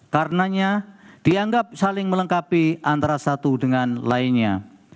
karena dianggap saling melengkapi antara satu dengan lainnya